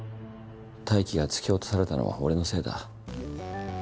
泰生が突き落とされたのは俺のせいだ。